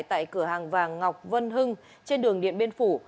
tại cửa hàng vàng ngọc vân hưng trên đường điện biên phủ